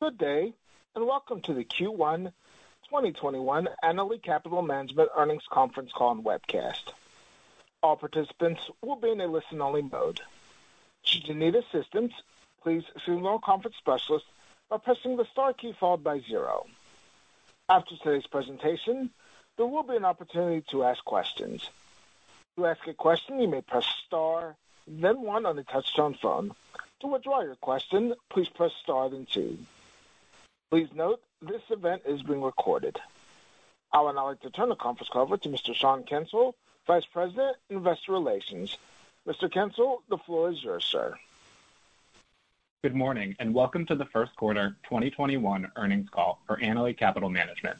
Good day, and welcome to the Q1 2021 Annaly Capital Management Earnings Conference Call and Webcast. All participants will be in a listen-only mode. Should you need assistance, please signal a conference specialist by pressing the star key followed by zero. After today's presentation, there will be an opportunity to ask questions. To ask a question, you may press star and then one on a touch-tone phone. To withdraw your question, please press star then two. Please note this event is being recorded. I would now like to turn the conference call over to Mr. Sean Kensil, Vice President, Investor Relations. Mr. Kensil, the floor is yours, Sir. Good morning, and welcome to the first quarter 2021 earnings call for Annaly Capital Management.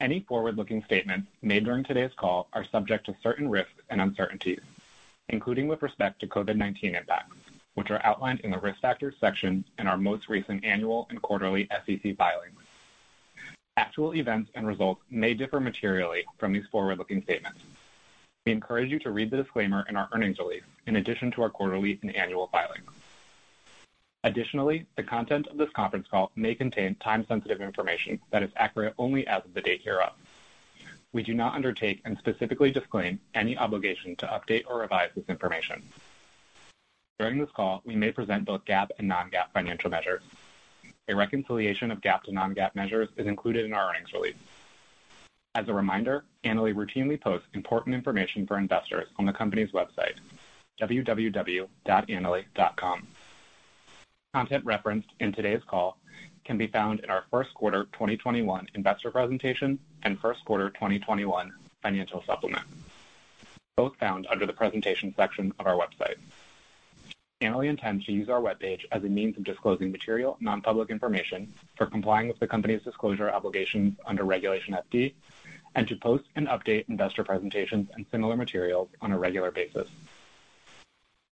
Any forward-looking statements made during today's call are subject to certain risks and uncertainties, including with respect to COVID-19 impacts, which are outlined in the Risk Factors section in our most recent annual and quarterly SEC filings. Actual events and results may differ materially from these forward-looking statements. We encourage you to read the disclaimer in our earnings release in addition to our quarterly and annual filings. Additionally, the content of this conference call may contain time-sensitive information that is accurate only as of the date hereof. We do not undertake and specifically disclaim any obligation to update or revise this information. During this call, we may present both GAAP and non-GAAP financial measures. A reconciliation of GAAP to non-GAAP measures is included in our earnings release. As a reminder, Annaly routinely posts important information for investors on the company's website, www.annaly.com. Content referenced in today's call can be found in our first quarter 2021 investor presentation and first quarter 2021 financial supplement, both found under the presentation section of our website. Annaly intends to use our webpage as a means of disclosing material, non-public information for complying with the company's disclosure obligations under Regulation FD and to post and update investor presentations and similar materials on a regular basis.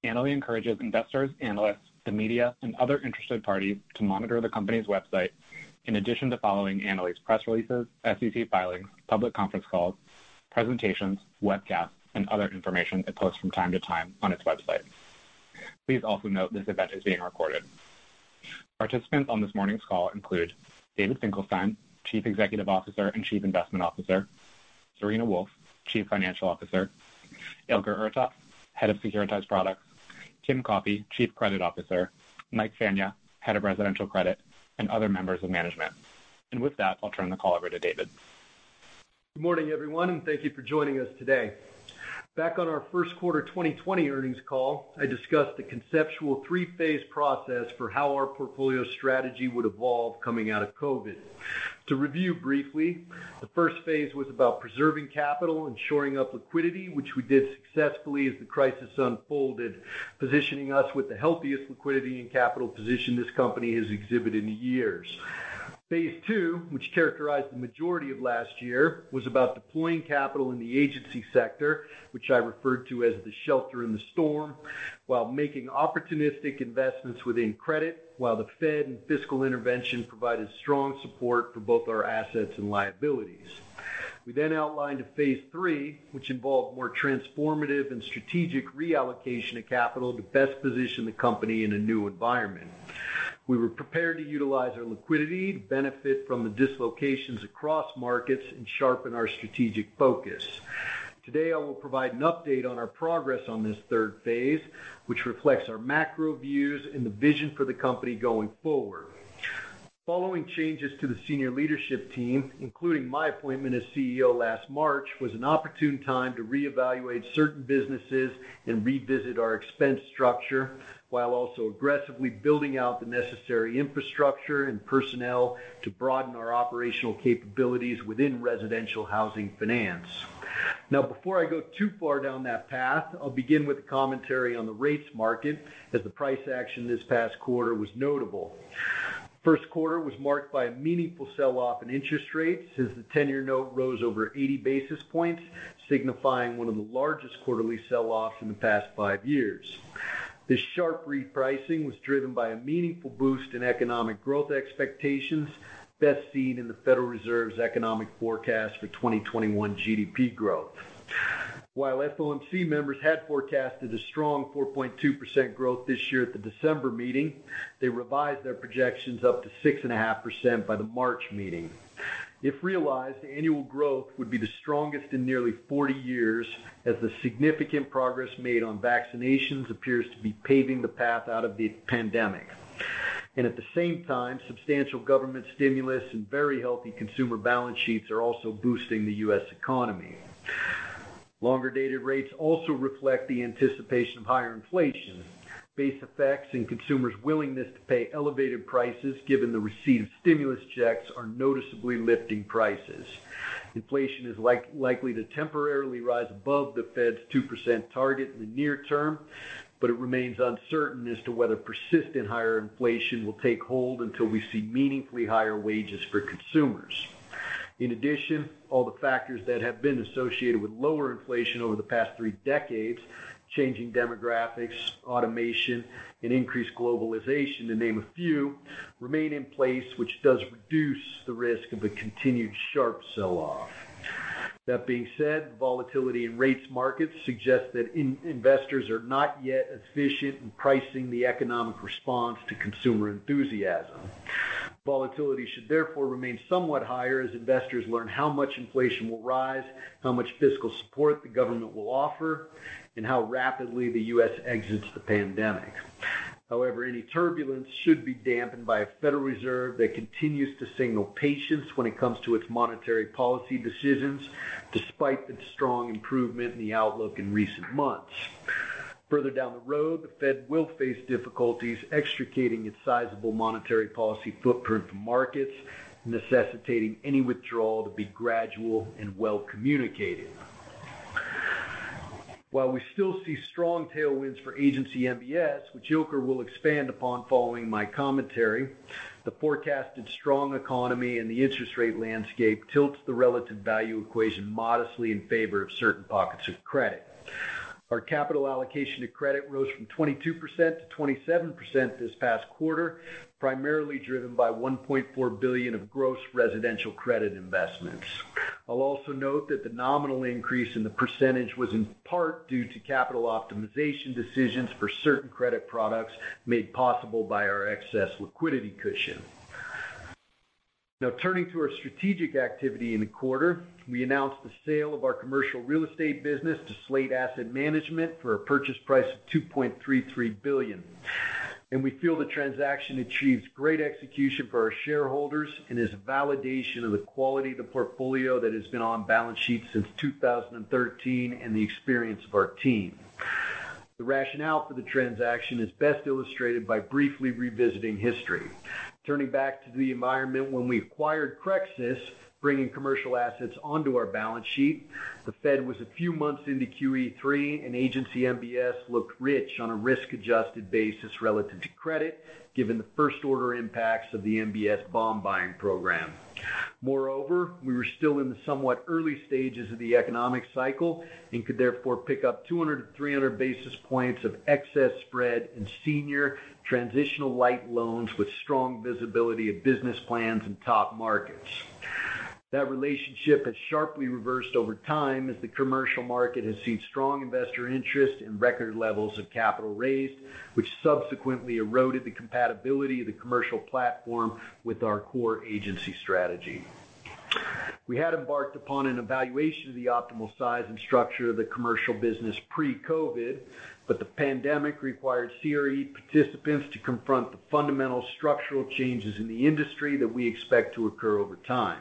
Annaly encourages investors, analysts, the media, and other interested parties to monitor the company's website in addition to following Annaly's press releases, SEC filings, public conference calls, presentations, webcasts, and other information it posts from time to time on its website. Please also note this event is being recorded. Participants on this morning's call include David Finkelstein, Chief Executive Officer and Chief Investment Officer, Serena Wolfe, Chief Financial Officer, Ilker Ertas, Head of Securitized Products, Tim Coffey, Chief Credit Officer, Mike Fania, Head of Residential Credit, and other members of management. With that, I'll turn the call over to David. Good morning, everyone, and thank you for joining us today. Back on our first quarter 2020 earnings call, I discussed the conceptual three-phase process for how our portfolio strategy would evolve coming out of COVID. To review briefly, the first phase was about preserving capital and shoring up liquidity, which we did successfully as the crisis unfolded, positioning us with the healthiest liquidity and capital position this company has exhibited in years. Phase II, which characterized the majority of last year, was about deploying capital in the agency sector, which I referred to as the shelter in the storm, while making opportunistic investments within credit while the Fed and fiscal intervention provided strong support for both our assets and liabilities. We outlined a phase III, which involved more transformative and strategic reallocation of capital to best position the company in a new environment. We were prepared to utilize our liquidity to benefit from the dislocations across markets and sharpen our strategic focus. Today, I will provide an update on our progress on this third phase, which reflects our macro views and the vision for the company going forward. Following changes to the senior leadership team, including my appointment as CEO last March, was an opportune time to reevaluate certain businesses and revisit our expense structure while also aggressively building out the necessary infrastructure and personnel to broaden our operational capabilities within residential housing finance. Before I go too far down that path, I'll begin with a commentary on the rates market, as the price action this past quarter was notable. First quarter was marked by a meaningful sell-off in interest rates as the 10-year note rose over 80 basis points, signifying one of the largest quarterly sell-offs in the past five years. This sharp repricing was driven by a meaningful boost in economic growth expectations, best seen in the Federal Reserve's economic forecast for 2021 GDP growth. While FOMC members had forecasted a strong 4.2% growth this year at the December meeting, they revised their projections up to 6.5% by the March meeting. If realized, the annual growth would be the strongest in nearly 40 years as the significant progress made on vaccinations appears to be paving the path out of the pandemic. At the same time, substantial government stimulus and very healthy consumer balance sheets are also boosting the U.S. economy. Longer-dated rates also reflect the anticipation of higher inflation. Base effects and consumers' willingness to pay elevated prices given the receipt of stimulus checks are noticeably lifting prices. Inflation is likely to temporarily rise above the Fed's 2% target in the near term, but it remains uncertain as to whether persistent higher inflation will take hold until we see meaningfully higher wages for consumers. In addition, all the factors that have been associated with lower inflation over the past three decades, changing demographics, automation, and increased globalization to name a few, remain in place, which does reduce the risk of a continued sharp sell-off. That being said, volatility in rates markets suggest that investors are not yet as efficient in pricing the economic response to consumer enthusiasm. Volatility should therefore remain somewhat higher as investors learn how much inflation will rise, how much fiscal support the government will offer, and how rapidly the U.S. exits the pandemic. However, any turbulence should be dampened by a Federal Reserve that continues to signal patience when it comes to its monetary policy decisions, despite the strong improvement in the outlook in recent months. Further down the road, the Fed will face difficulties extricating its sizable monetary policy footprint from markets, necessitating any withdrawal to be gradual and well-communicated. While we still see strong tailwinds for agency MBS, which Ilker will expand upon following my commentary, the forecasted strong economy and the interest rate landscape tilts the relative value equation modestly in favor of certain pockets of credit. Our capital allocation to credit rose from 22%-27% this past quarter, primarily driven by $1.4 billion of gross residential credit investments. I'll also note that the nominal increase in the percentage was in part due to capital optimization decisions for certain credit products made possible by our excess liquidity cushion. Now, turning to our strategic activity in the quarter, we announced the sale of our commercial real estate business to Slate Asset Management for a purchase price of $2.33 billion. We feel the transaction achieves great execution for our shareholders and is a validation of the quality of the portfolio that has been on balance sheet since 2013 and the experience of our team. The rationale for the transaction is best illustrated by briefly revisiting history. Turning back to the environment when we acquired CreXus, bringing commercial assets onto our balance sheet, the Fed was a few months into QE3, and agency MBS looked rich on a risk-adjusted basis relative to credit, given the first-order impacts of the MBS bond buying program. Moreover, we were still in the somewhat early stages of the economic cycle and could therefore pick up 200 to 300 basis points of excess spread in senior transitional light loans with strong visibility of business plans and top markets. That relationship has sharply reversed over time as the commercial market has seen strong investor interest and record levels of capital raised, which subsequently eroded the compatibility of the commercial platform with our core agency strategy. We had embarked upon an evaluation of the optimal size and structure of the commercial business pre-COVID, but the pandemic required CRE participants to confront the fundamental structural changes in the industry that we expect to occur over time.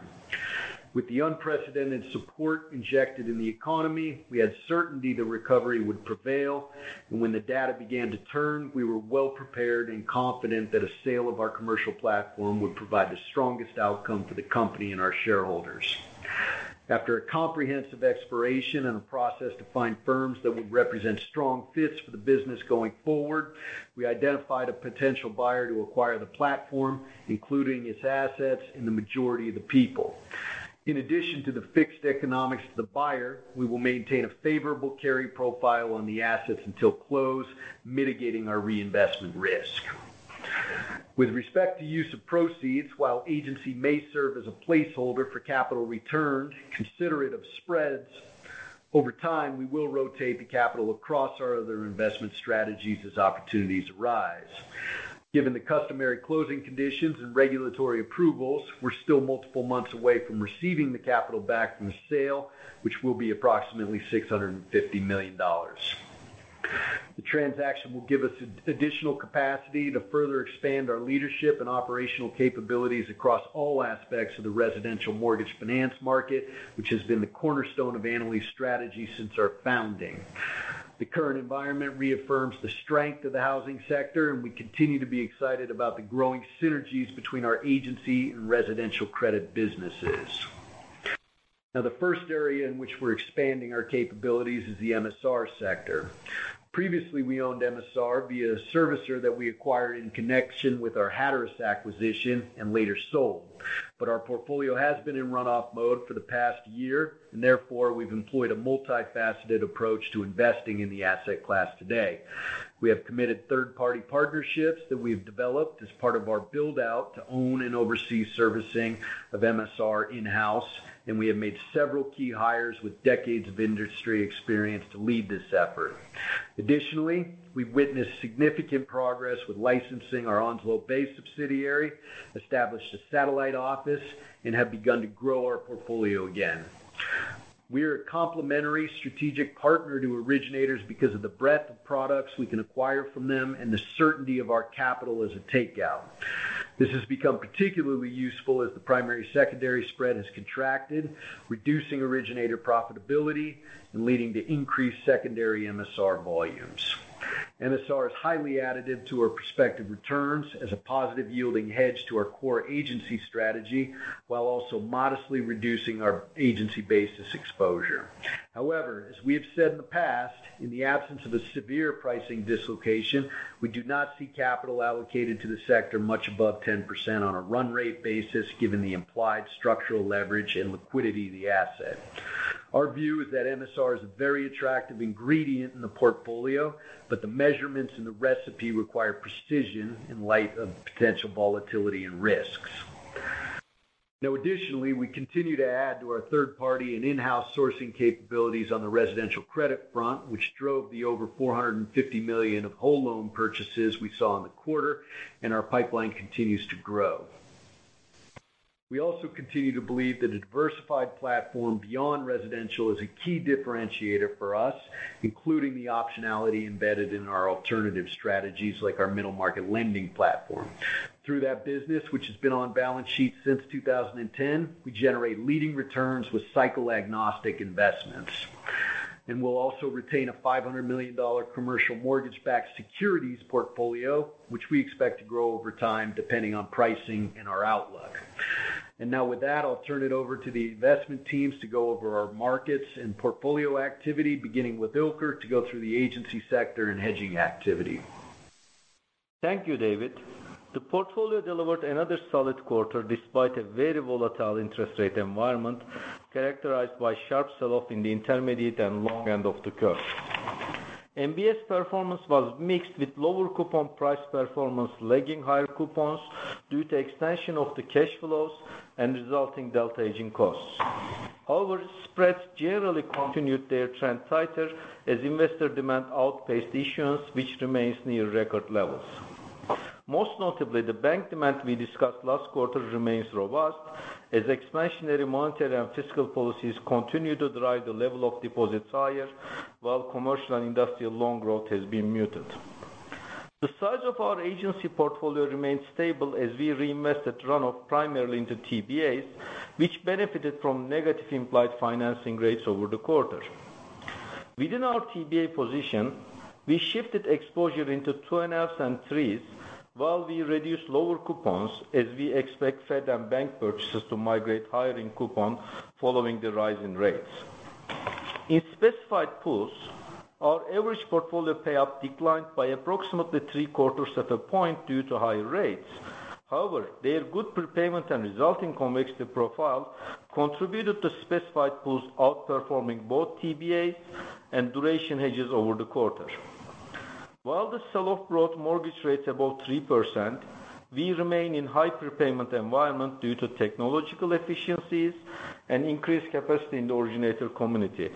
With the unprecedented support injected in the economy, we had certainty the recovery would prevail, and when the data began to turn, we were well prepared and confident that a sale of our commercial platform would provide the strongest outcome for the company and our shareholders. After a comprehensive exploration and a process to find firms that would represent strong fits for the business going forward, we identified a potential buyer to acquire the platform, including its assets and the majority of the people. In addition to the fixed economics to the buyer, we will maintain a favorable carry profile on the assets until close, mitigating our reinvestment risk. With respect to use of proceeds, while agency may serve as a placeholder for capital returned, considerate of spreads, over time, we will rotate the capital across our other investment strategies as opportunities arise. Given the customary closing conditions and regulatory approvals, we're still multiple months away from receiving the capital back from the sale, which will be approximately $650 million. The transaction will give us additional capacity to further expand our leadership and operational capabilities across all aspects of the residential mortgage finance market, which has been the cornerstone of Annaly's strategy since our founding. The current environment reaffirms the strength of the housing sector, and we continue to be excited about the growing synergies between our agency and residential credit businesses. The first area in which we're expanding our capabilities is the MSR sector. Previously, we owned MSR via a servicer that we acquired in connection with our Hatteras acquisition and later sold. Our portfolio has been in runoff mode for the past year, and therefore, we've employed a multifaceted approach to investing in the asset class today. We have committed third-party partnerships that we've developed as part of our build-out to own and oversee servicing of MSR in-house, and we have made several key hires with decades of industry experience to lead this effort. Additionally, we've witnessed significant progress with licensing our Onslow Bay subsidiary, established a satellite office, and have begun to grow our portfolio again. We are a complementary strategic partner to originators because of the breadth of products we can acquire from them and the certainty of our capital as a takeout. This has become particularly useful as the primary/secondary spread has contracted, reducing originator profitability and leading to increased secondary MSR volumes. MSR is highly additive to our prospective returns as a positive yielding hedge to our core agency strategy while also modestly reducing our agency basis exposure. However, as we have said in the past, in the absence of a severe pricing dislocation, we do not see capital allocated to the sector much above 10% on a run rate basis, given the implied structural leverage and liquidity of the asset. Our view is that MSR is a very attractive ingredient in the portfolio, but the measurements in the recipe require precision in light of potential volatility and risks. Now additionally, we continue to add to our third-party and in-house sourcing capabilities on the residential credit front, which drove the over $450 million of whole loan purchases we saw in the quarter, and our pipeline continues to grow. We also continue to believe that a diversified platform beyond residential is a key differentiator for us, including the optionality embedded in our alternative strategies like our middle market lending platform. Through that business, which has been on balance sheet since 2010, we generate leading returns with cycle-agnostic investments. We'll also retain a $500 million commercial mortgage-backed securities portfolio, which we expect to grow over time depending on pricing and our outlook. Now with that, I'll turn it over to the investment teams to go over our markets and portfolio activity, beginning with Ilker to go through the agency sector and hedging activity. Thank you, David. The portfolio delivered another solid quarter despite a very volatile interest rate environment characterized by sharp sell-off in the intermediate and long end of the curve. MBS performance was mixed, with lower coupon price performance lagging higher coupons due to extension of the cash flows and resulting delta hedging costs. Spreads generally continued their trend tighter as investor demand outpaced issuance, which remains near record levels. Most notably, the bank demand we discussed last quarter remains robust as expansionary monetary and fiscal policies continue to drive the level of deposits higher, while commercial and industrial loan growth has been muted. The size of our agency portfolio remains stable as we reinvested runoff primarily into TBAs, which benefited from negative implied financing rates over the quarter. Within our TBA position, we shifted exposure into twos and threes while we reduced lower coupons as we expect Fed and bank purchases to migrate higher in coupon following the rise in rates. In specified pools, our average portfolio pay up declined by approximately three quarters of a point due to higher rates. However, their good prepayment and resulting convexity profile contributed to specified pools outperforming both TBA and duration hedges over the quarter. While the sell-off brought mortgage rates above 3%, we remain in high prepayment environment due to technological efficiencies and increased capacity in the originator community,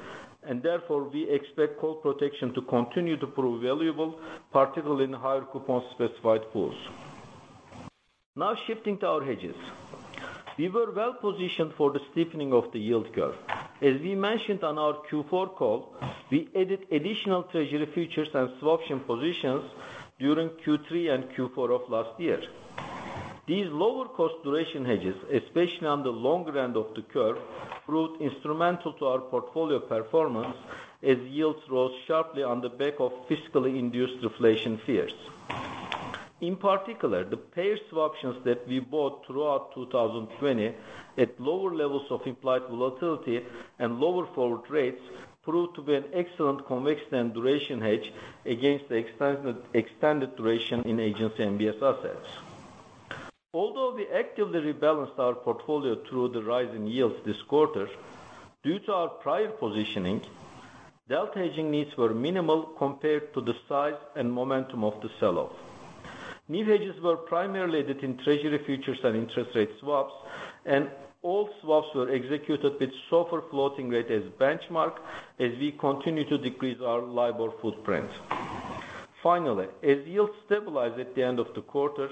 and therefore, we expect call protection to continue to prove valuable, particularly in higher coupon specified pools. Shifting to our hedges. We were well-positioned for the steepening of the yield curve. As we mentioned on our Q4 call, we added additional treasury futures and swap option positions during Q3 and Q4 of last year. These lower cost duration hedges, especially on the longer end of the curve, proved instrumental to our portfolio performance as yields rose sharply on the back of fiscally induced reflation fears. In particular, the payer swap options that we bought throughout 2020 at lower levels of implied volatility and lower forward rates proved to be an excellent convex and duration hedge against the extended duration in agency MBS assets. Although we actively rebalanced our portfolio through the rise in yields this quarter, due to our prior positioning, delta hedging needs were minimal compared to the size and momentum of the sell-off. New hedges were primarily added in treasury futures and interest rate swaps, and all swaps were executed with SOFR floating rate as benchmark as we continue to decrease our LIBOR footprint. Finally, as yields stabilized at the end of the quarter,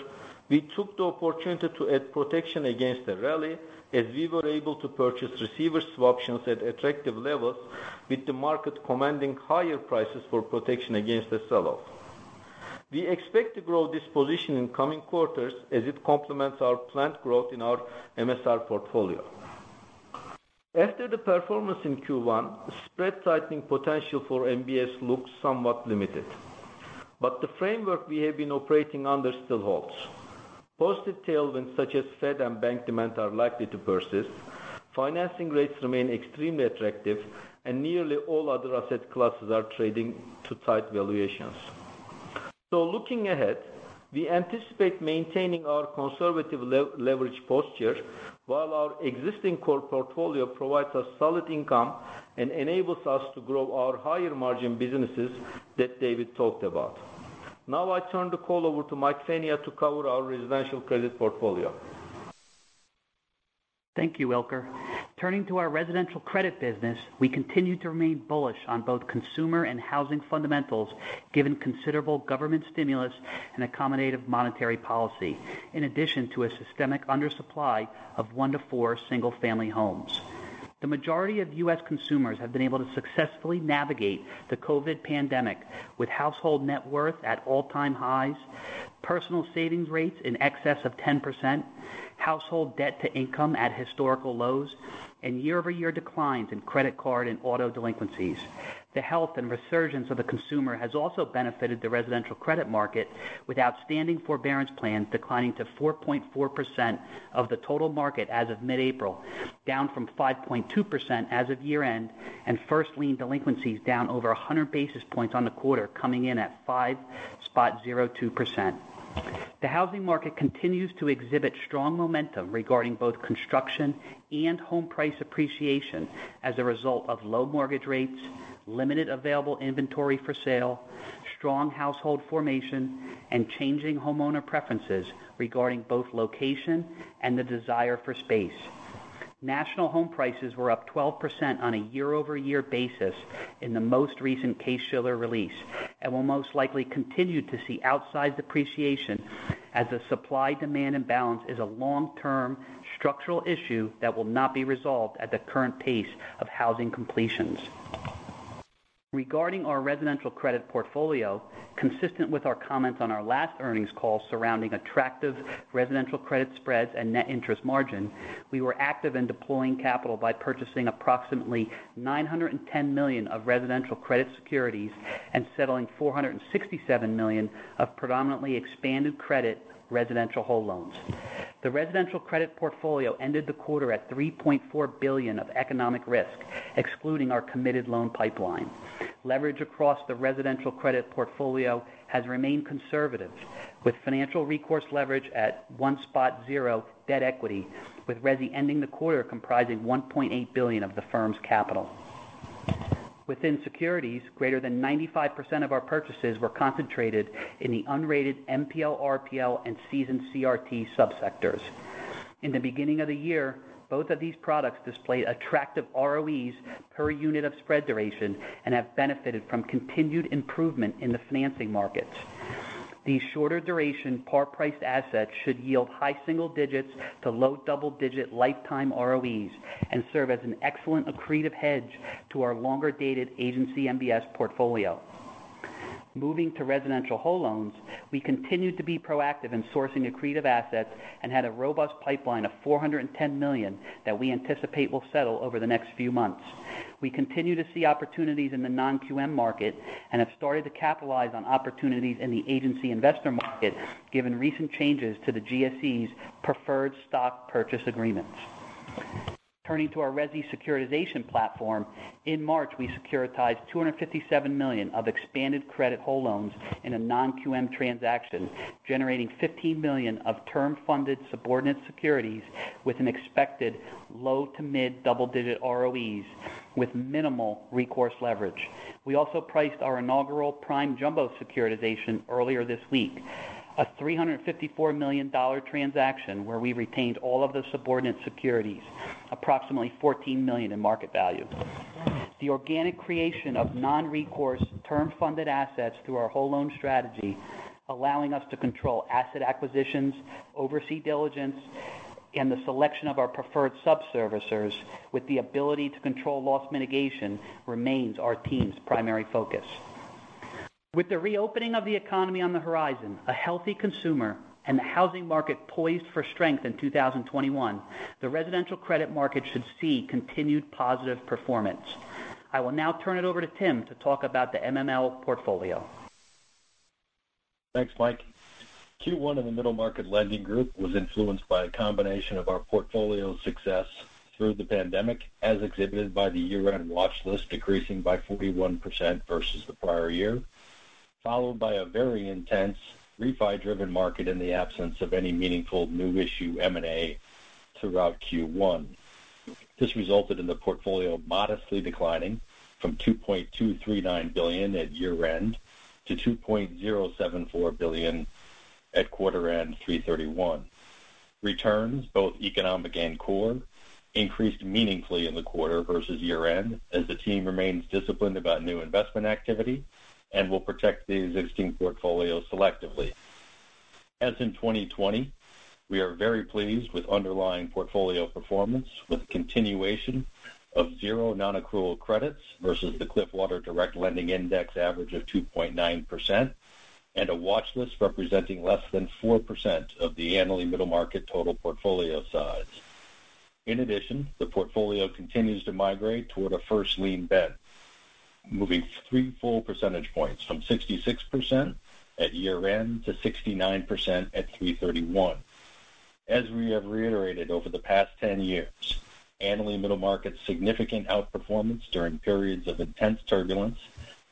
we took the opportunity to add protection against the rally as we were able to purchase receiver swap options at attractive levels with the market commanding higher prices for protection against a sell-off. We expect to grow this position in coming quarters as it complements our planned growth in our MSR portfolio. After the performance in Q1, spread tightening potential for MBS looks somewhat limited, but the framework we have been operating under still holds. Positive tailwinds such as Fed and bank demand are likely to persist, financing rates remain extremely attractive, and nearly all other asset classes are trading to tight valuations. Looking ahead, we anticipate maintaining our conservative leverage posture while our existing core portfolio provides us solid income and enables us to grow our higher margin businesses that David talked about. I turn the call over to Mike Fania to cover our residential credit portfolio. Thank you, Ilker. Turning to our residential credit business, we continue to remain bullish on both consumer and housing fundamentals given considerable government stimulus and accommodative monetary policy, in addition to a systemic undersupply of one to four single-family homes. The majority of U.S. consumers have been able to successfully navigate the COVID pandemic with household net worth at all-time highs, personal savings rates in excess of 10%, household debt-to-income at historical lows, and year-over-year declines in credit card and auto delinquencies. The health and resurgence of the consumer has also benefited the residential credit market, with outstanding forbearance plans declining to 4.4% of the total market as of mid-April, down from 5.2% as of year-end, and first lien delinquencies down over 100 basis points on the quarter, coming in at 5.02%. The housing market continues to exhibit strong momentum regarding both construction and home price appreciation as a result of low mortgage rates, limited available inventory for sale, strong household formation and changing homeowner preferences regarding both location and the desire for space. National home prices were up 12% on a year-over-year basis in the most recent Case-Shiller release and will most likely continue to see outsized appreciation as the supply-demand imbalance is a long-term structural issue that will not be resolved at the current pace of housing completions. Regarding our residential credit portfolio, consistent with our comments on our last earnings call surrounding attractive residential credit spreads and net interest margin, we were active in deploying capital by purchasing approximately $910 million of residential credit securities and settling $467 million of predominantly expanded credit residential whole loans. The residential credit portfolio ended the quarter at $3.4 billion of economic risk, excluding our committed loan pipeline. Leverage across the residential credit portfolio has remained conservative, with financial recourse leverage at 1.0 debt equity, with resi ending the quarter comprising $1.8 billion of the firm's capital. Within securities, greater than 95% of our purchases were concentrated in the unrated NPL/RPL and seasoned CRT subsectors. In the beginning of the year, both of these products displayed attractive ROEs per unit of spread duration and have benefited from continued improvement in the financing markets. These shorter duration par priced assets should yield high single digits to low double-digit lifetime ROEs and serve as an excellent accretive hedge to our longer-dated agency MBS portfolio. Moving to residential whole loans, we continued to be proactive in sourcing accretive assets and had a robust pipeline of $410 million that we anticipate will settle over the next few months. We continue to see opportunities in the non-QM market and have started to capitalize on opportunities in the agency investor market, given recent changes to the GSE's preferred stock purchase agreements. Turning to our resi securitization platform, in March, we securitized $257 million of expanded credit whole loans in a non-QM transaction, generating $15 million of term-funded subordinate securities with an expected low to mid double-digit ROEs with minimal recourse leverage. We also priced our inaugural prime jumbo securitization earlier this week, a $354 million transaction where we retained all of the subordinate securities, approximately $14 million in market value. The organic creation of non-recourse term-funded assets through our whole loan strategy, allowing us to control asset acquisitions, oversee diligence, and the selection of our preferred sub-servicers with the ability to control loss mitigation remains our team's primary focus. With the reopening of the economy on the horizon, a healthy consumer, and the housing market poised for strength in 2021, the residential credit market should see continued positive performance. I will now turn it over to Tim to talk about the MML portfolio. Thanks, Mike. Q1 in the Middle Market Lending group was influenced by a combination of our portfolio success through the pandemic, as exhibited by the year-end watch list decreasing by 41% versus the prior year, followed by a very intense refi-driven market in the absence of any meaningful new issue M&A throughout Q1. This resulted in the portfolio modestly declining from $2.239 billion at year-end to $2.074 billion at quarter-end 3/31. Returns, both economic and core, increased meaningfully in the quarter versus year-end as the team remains disciplined about new investment activity and will protect the existing portfolio selectively. As in 2020, we are very pleased with underlying portfolio performance, with continuation of zero non-accrual credits versus the Cliffwater Direct Lending Index average of 2.9% and a watchlist representing less than 4% of the Annaly Middle Market total portfolio size. In addition, the portfolio continues to migrate toward a first lien bend, moving three full percentage points from 66% at year-end to 69% at 3/31. As we have reiterated over the past 10 years, Annaly Middle Market's significant outperformance during periods of intense turbulence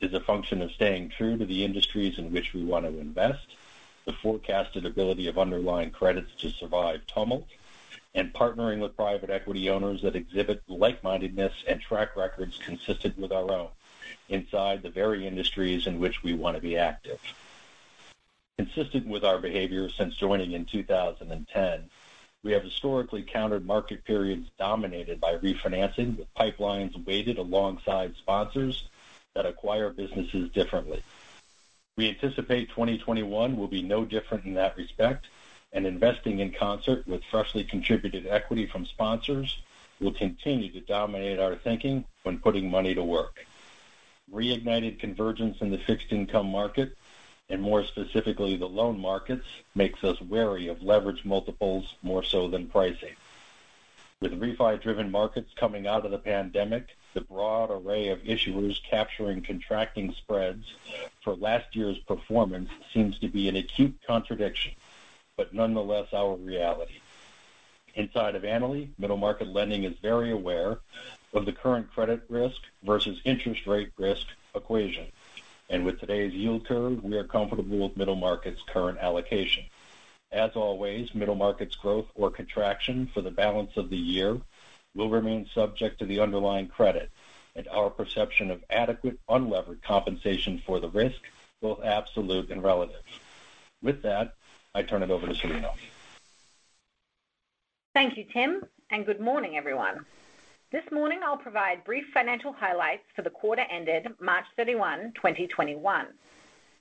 is a function of staying true to the industries in which we want to invest, the forecasted ability of underlying credits to survive tumult, and partnering with private equity owners that exhibit like-mindedness and track records consistent with our own inside the very industries in which we want to be active. Consistent with our behavior since joining in 2010, we have historically countered market periods dominated by refinancing with pipelines weighted alongside sponsors that acquire businesses differently. We anticipate 2021 will be no different in that respect, and investing in concert with freshly contributed equity from sponsors will continue to dominate our thinking when putting money to work. Reignited convergence in the fixed income market, and more specifically the loan markets, makes us wary of leverage multiples more so than pricing. With refi-driven markets coming out of the pandemic, the broad array of issuers capturing contracting spreads for last year's performance seems to be an acute contradiction, but nonetheless our reality. Inside of Annaly, middle market lending is very aware of the current credit risk versus interest rate risk equation. With today's yield curve, we are comfortable with middle market's current allocation. As always, middle market's growth or contraction for the balance of the year will remain subject to the underlying credit and our perception of adequate unlevered compensation for the risk, both absolute and relative. With that, I turn it over to Serena Wolfe. Thank you, Tim. Good morning, everyone. This morning I'll provide brief financial highlights for the quarter ended March 31, 2021.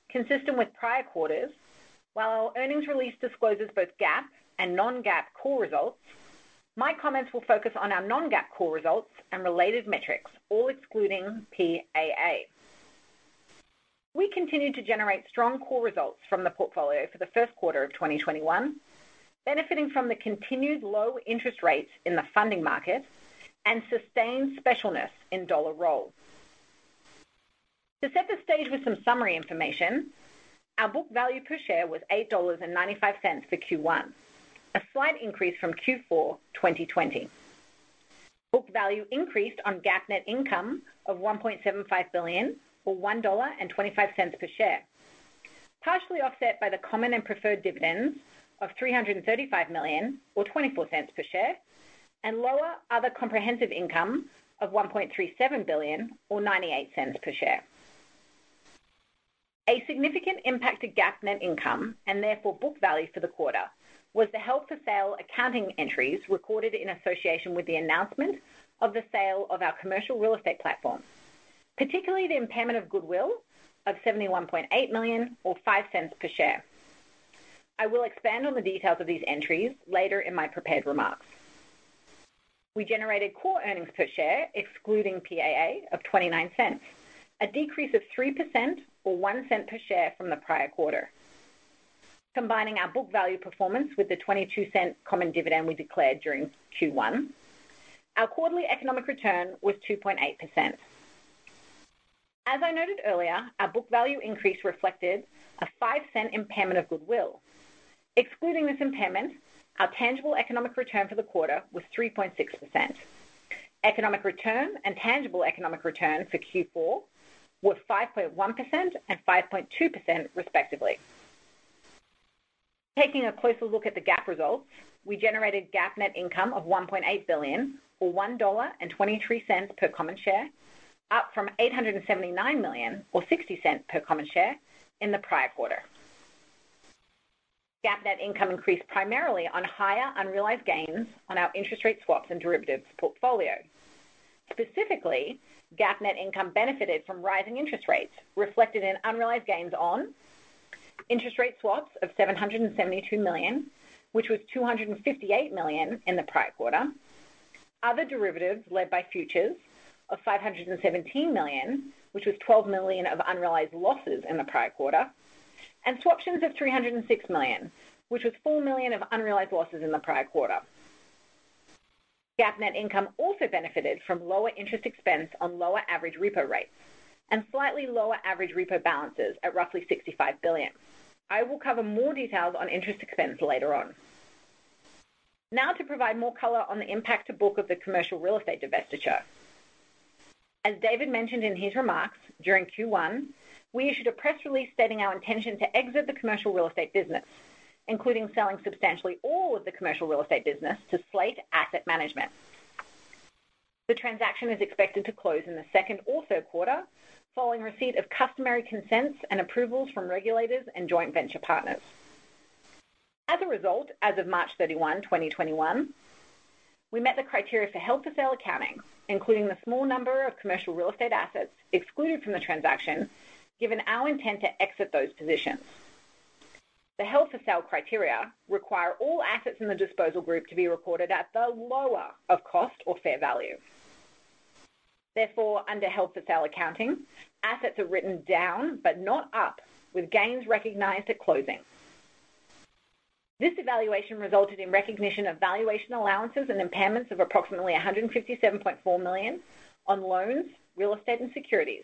Consistent with prior quarters, while our earnings release discloses both GAAP and non-GAAP core results, my comments will focus on our non-GAAP core results and related metrics, all excluding PAA. We continue to generate strong core results from the portfolio for the first quarter of 2021, benefiting from the continued low interest rates in the funding market and sustained specialness in dollar roll. To set the stage with some summary information, our book value per share was $8.95 for Q1, a slight increase from Q4 2020. Book value increased on GAAP net income of $1.75 billion, or $1.25 per share, partially offset by the common and preferred dividends of $335 million, or $0.24 per share, and lower other comprehensive income of $1.37 billion or $0.98 per share. A significant impact to GAAP net income, and therefore book value for the quarter, was the held-for-sale accounting entries recorded in association with the announcement of the sale of our commercial real estate platform, particularly the impairment of goodwill of $71.8 million or $0.05 per share. I will expand on the details of these entries later in my prepared remarks. We generated core earnings per share excluding PAA of $0.29, a decrease of 3% or $0.01 per share from the prior quarter. Combining our book value performance with the $0.22 common dividend we declared during Q1, our quarterly economic return was 2.8%. As I noted earlier, our book value increase reflected a $0.05 impairment of goodwill. Excluding this impairment, our tangible economic return for the quarter was 3.6%. Economic return and tangible economic return for Q4 were 5.1% and 5.2% respectively. Taking a closer look at the GAAP results, we generated GAAP net income of $1.8 billion or $1.23 per common share, up from $879 million or $0.60 per common share in the prior quarter. GAAP net income increased primarily on higher unrealized gains on our interest rate swaps and derivatives portfolio. Specifically, GAAP net income benefited from rising interest rates reflected in unrealized gains on interest rate swaps of $772 million, which was $258 million in the prior quarter. Other derivatives led by futures of $517 million, which was $12 million of unrealized losses in the prior quarter, and swaptions of $306 million, which was $4 million of unrealized losses in the prior quarter. GAAP net income also benefited from lower interest expense on lower average repo rates and slightly lower average repo balances at roughly $65 billion. I will cover more details on interest expense later on. Now to provide more color on the impact to book of the commercial real estate divestiture. As David mentioned in his remarks, during Q1, we issued a press release stating our intention to exit the commercial real estate business, including selling substantially all of the commercial real estate business to Slate Asset Management. The transaction is expected to close in the second or third quarter, following receipt of customary consents and approvals from regulators and joint venture partners. As a result, as of March 31, 2021, we met the criteria for held-for-sale accounting, including the small number of commercial real estate assets excluded from the transaction given our intent to exit those positions. The held-for-sale criteria require all assets in the disposal group to be recorded at the lower of cost or fair value. Therefore, under held-for-sale accounting, assets are written down but not up, with gains recognized at closing. This evaluation resulted in recognition of valuation allowances and impairments of approximately $157.4 million on loans, real estate, and securities,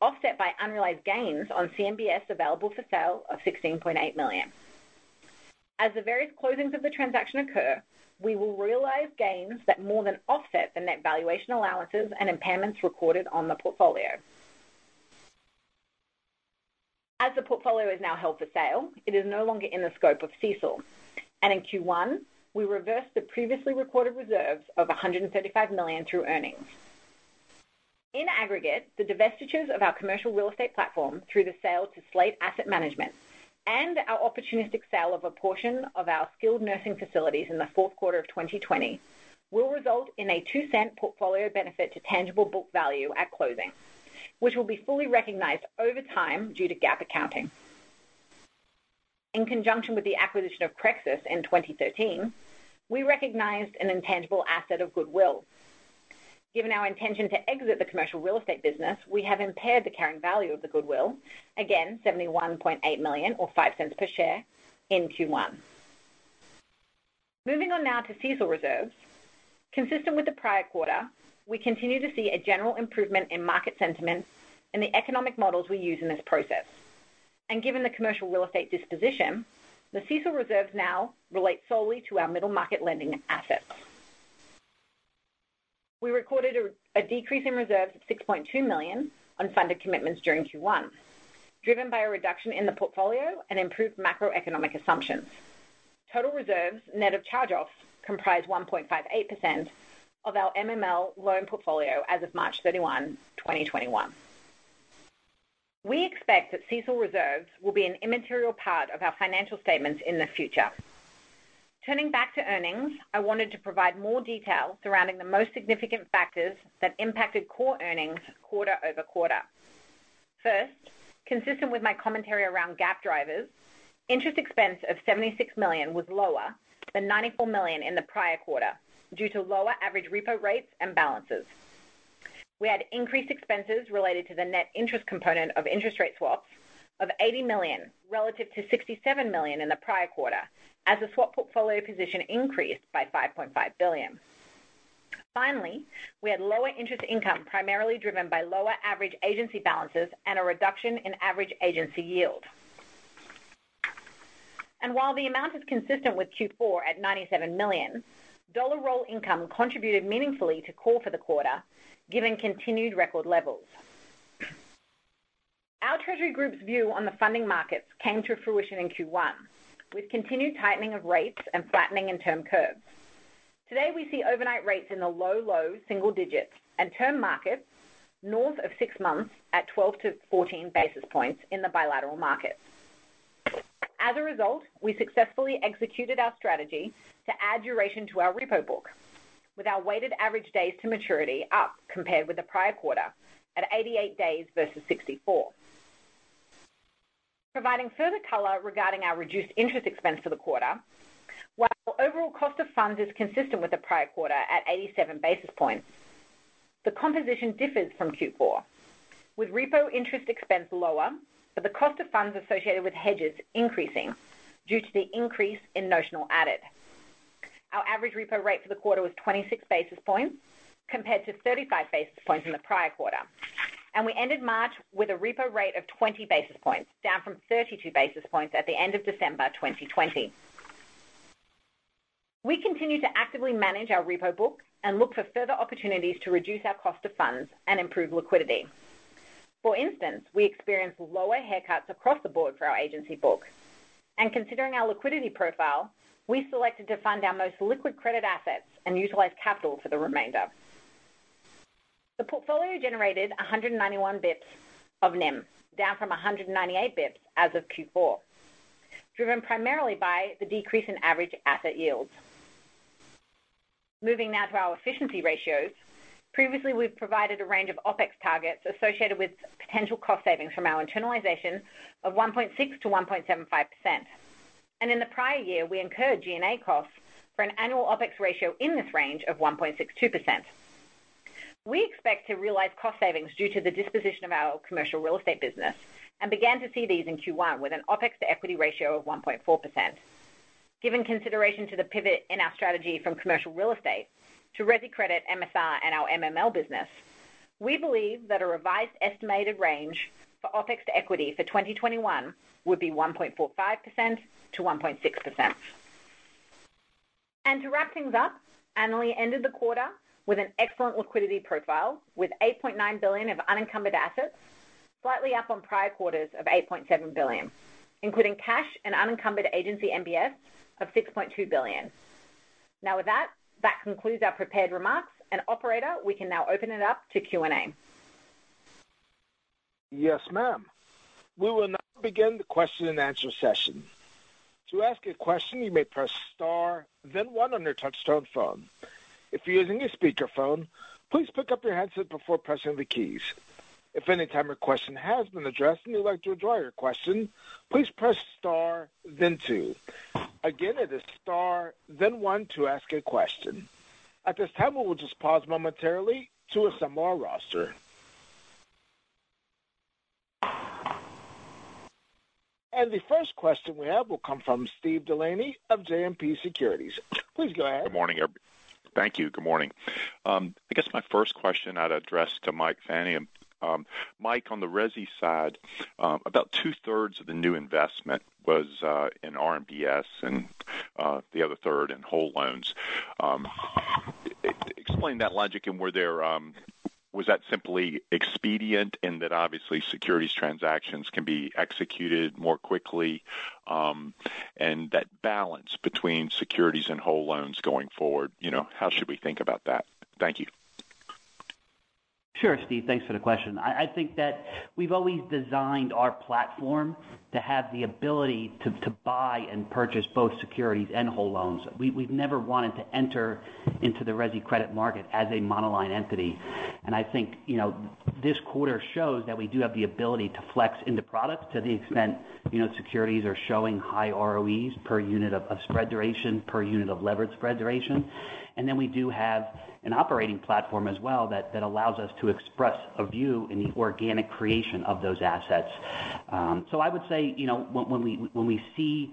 offset by unrealized gains on CMBS available for sale of $16.8 million. As the various closings of the transaction occur, we will realize gains that more than offset the net valuation allowances and impairments recorded on the portfolio. As the portfolio is now held for sale, it is no longer in the scope of CECL, and in Q1, we reversed the previously recorded reserves of $135 million through earnings. In aggregate, the divestitures of our commercial real estate platform through the sale to Slate Asset Management and our opportunistic sale of a portion of our skilled nursing facilities in the fourth quarter of 2020 will result in a $0.02 portfolio benefit to tangible book value at closing, which will be fully recognized over time due to GAAP accounting. In conjunction with the acquisition of CreXus in 2013, we recognized an intangible asset of goodwill. Given our intention to exit the commercial real estate business, we have impaired the carrying value of the goodwill, again $71.8 million or $0.05 per share in Q1. Moving on now to CECL reserves. Consistent with the prior quarter, we continue to see a general improvement in market sentiment in the economic models we use in this process. Given the commercial real estate disposition, the CECL reserves now relate solely to our middle market lending assets. We recorded a decrease in reserves of $6.2 million on funded commitments during Q1, driven by a reduction in the portfolio and improved macroeconomic assumptions. Total reserves net of charge-offs comprise 1.58% of our MML loan portfolio as of March 31, 2021. We expect that CECL reserves will be an immaterial part of our financial statements in the future. Turning back to earnings, I wanted to provide more detail surrounding the most significant factors that impacted core earnings quarter-over-quarter. First, consistent with my commentary around GAAP drivers, interest expense of $76 million was lower than $94 million in the prior quarter due to lower average repo rates and balances. We had increased expenses related to the net interest component of interest rate swaps of $80 million relative to $67 million in the prior quarter as the swap portfolio position increased by $5.5 billion. Finally, we had lower interest income, primarily driven by lower average agency balances and a reduction in average agency yield. While the amount is consistent with Q4 at $97 million, dollar roll income contributed meaningfully to core for the quarter, given continued record levels. Our treasury group's view on the funding markets came to fruition in Q1 with continued tightening of rates and flattening in term curves. Today, we see overnight rates in the low single digits and term markets north of six months at 12-14 basis points in the bilateral markets. As a result, we successfully executed our strategy to add duration to our repo book with our weighted average days to maturity up compared with the prior quarter at 88 days versus 64. Providing further color regarding our reduced interest expense for the quarter, while overall cost of funds is consistent with the prior quarter at 87 basis points, the composition differs from Q4, with repo interest expense lower but the cost of funds associated with hedges increasing due to the increase in notional added. Our average repo rate for the quarter was 26 basis points compared to 35 basis points in the prior quarter, and we ended March with a repo rate of 20 basis points, down from 32 basis points at the end of December 2020. We continue to actively manage our repo book and look for further opportunities to reduce our cost of funds and improve liquidity. For instance, we experienced lower haircuts across the board for our agency book. Considering our liquidity profile, we selected to fund our most liquid credit assets and utilize capital for the remainder. The portfolio generated 191 bps of NIM, down from 198 bps as of Q4, driven primarily by the decrease in average asset yields. Moving now to our efficiency ratios. Previously, we've provided a range of OpEx targets associated with potential cost savings from our internalization of 1.6%-1.75%, and in the prior year, we incurred G&A costs for an annual OpEx ratio in this range of 1.62%. We expect to realize cost savings due to the disposition of our commercial real estate business and began to see these in Q1 with an OpEx-to-equity ratio of 1.4%. Given consideration to the pivot in our strategy from commercial real estate to resi credit, MSR, and our MML business, we believe that a revised estimated range for OpEx to equity for 2021 would be 1.45%-1.6%. To wrap things up, Annaly ended the quarter with an excellent liquidity profile with $8.9 billion of unencumbered assets, slightly up on prior quarters of $8.7 billion, including cash and unencumbered agency MBS of $6.2 billion. Now with that concludes our prepared remarks, and operator, we can now open it up to Q&A. Yes, Ma'am. We will now begin the question-and-answer session. To ask a question, you may press star, then one on your touchtone phone. If you're using a speakerphone, please pick up the handset before pressing the keys. If at any time a question has been addressed and you'd like to withdraw your question, please press star, then two. Again, it is star, then one to ask a question. At this time, we will just pause momentarily to assemble our roster. The first question we have will come from Steven Delaney of JMP Securities. Please go ahead. Good morning, thank you. Good morning. I guess my first question I'd address to Mike Fania. Mike, on the resi side, about 2/3 of the new investment was in RMBS and the other third in whole loans. Explain that logic, was that simply expedient in that obviously securities transactions can be executed more quickly, and that balance between securities and whole loans going forward, how should we think about that? Thank you. Sure, Steven. Thanks for the question. I think that we've always designed our platform to have the ability to buy and purchase both securities and whole loans. We've never wanted to enter into the resi credit market as a monoline entity. I think this quarter shows that we do have the ability to flex into products to the extent securities are showing high ROEs per unit of spread duration, per unit of levered spread duration. Then we do have an operating platform as well that allows us to express a view in the organic creation of those assets. I would say when we see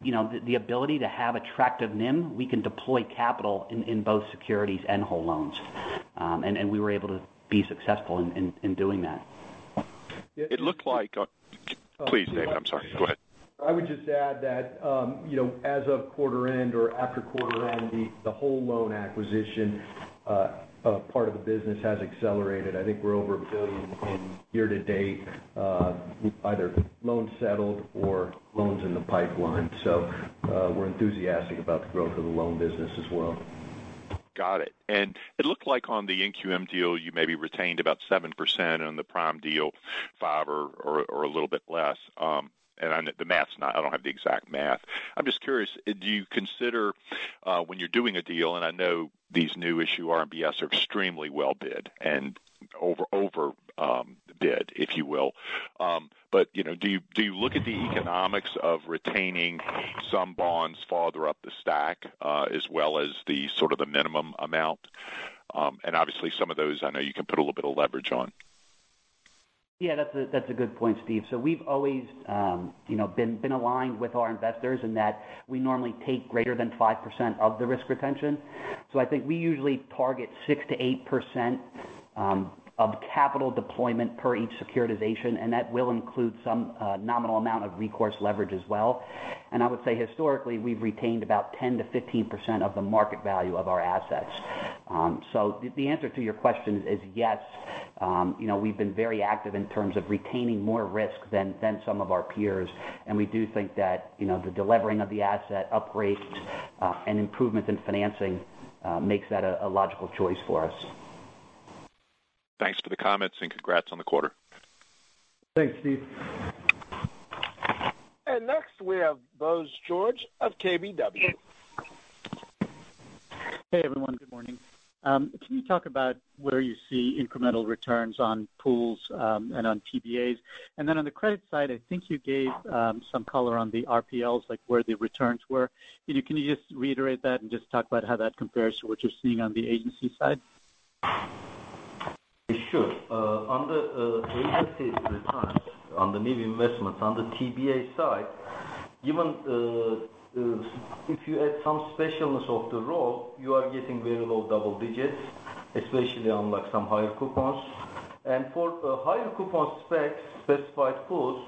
the ability to have attractive NIM, we can deploy capital in both securities and whole loans. We were able to be successful in doing that. It looked like- Please, David, I'm sorry. Go ahead. I would just add that as of quarter end or after quarter end, the whole loan acquisition part of the business has accelerated. I think we're over $1 billion in year to date, either loans settled or loans in the pipeline. We're enthusiastic about the growth of the loan business as well. Got it. It looked like on the non-QM deal, you maybe retained about 7% on the prime deal, 5% or a little bit less. The math. I don't have the exact math. I'm just curious, do you consider when you're doing a deal, and I know these new issue RMBS are extremely well bid and over bid, if you will. Do you look at the economics of retaining some bonds farther up the stack as well as the minimum amount? Obviously, some of those, I know you can put a little bit of leverage on. Yeah, that's a good point, Steve. We've always been aligned with our investors in that we normally take greater than 5% of the risk retention. I think we usually target 6%-8% of capital deployment per each securitization, and that will include some nominal amount of recourse leverage as well. I would say historically, we've retained about 10%-15% of the market value of our assets. The answer to your question is yes. We've been very active in terms of retaining more risk than some of our peers, and we do think that the de-levering of the asset upgrades, and improvements in financing makes that a logical choice for us. Thanks for the comments and congrats on the quarter. Thanks, Steve. Next we have Bose George of KBW. Hey, everyone. Good morning. Can you talk about where you see incremental returns on pools and on TBAs? On the credit side, I think you gave some color on the RPLs, like where the returns were. Can you just reiterate that and just talk about how that compares to what you're seeing on the agency side? Sure. On the anticipated returns on the new investments on the TBA side, even if you add some specialness of the roll, you are getting very low double digits, especially on some higher coupons. For higher coupon specs, specified pools,